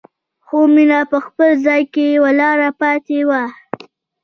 خو مينه په خپل ځای کې ولاړه پاتې وه.